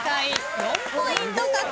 ４ポイント獲得です。